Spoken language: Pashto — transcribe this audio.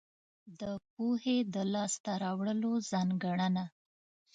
د پوهې د لاس ته راوړلو ځانګړنه.